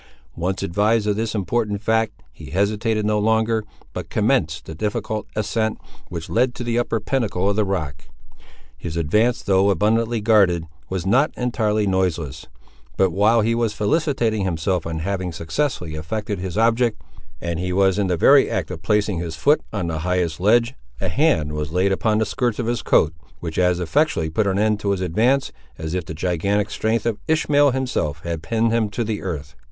Once advised of this important fact, he hesitated no longer, but commenced the difficult ascent which led to the upper pinnacle of the rock. His advance, though abundantly guarded, was not entirely noiseless; but while he was felicitating himself on having successfully effected his object, and he was in the very act of placing his foot on the highest ledge a hand was laid upon the skirts of his coat, which as effectually put an end to his advance, as if the gigantic strength of Ishmael himself had pinned him to the earth.